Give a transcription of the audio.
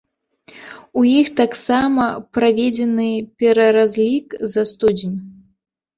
У іх таксама праведзены пераразлік за студзень.